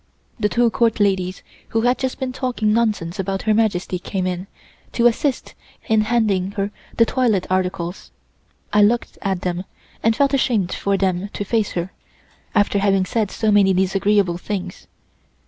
The two Court ladies who had just been talking nonsense about Her Majesty came in, to assist in handing her the toilet articles. I looked at them, and felt ashamed for them to face her, after having said so many disagreeable things.